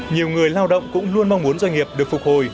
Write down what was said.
nhiều người lao động cũng luôn mong muốn doanh nghiệp được phục hồi